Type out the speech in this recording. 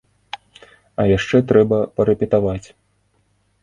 А яшчэ трэба парэпетаваць!